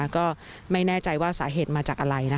ก็ไม่แน่ใจว่าสาเหตุมาจากอะไร